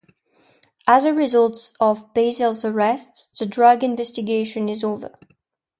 As a result of Basil's arrest, the drug investigation is over.